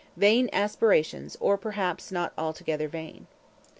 Vain aspirations, or perhaps not altogether vain.